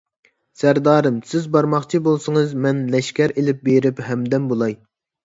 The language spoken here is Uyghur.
سەردارىم، سىز بارماقچى بولسىڭىز، مەن لەشكەر ئېلىپ بېرىپ ھەمدەم بولاي.